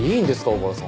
小原さん。